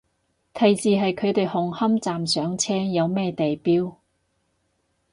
提示係佢哋紅磡站上車，有咩地標